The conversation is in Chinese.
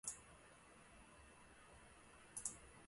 见识过现实黑暗的人，又怎么会怕恐怖游戏呢，心疼雷子